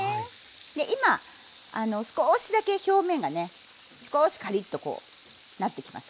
で今少しだけ表面がね少しカリッとこうなってきます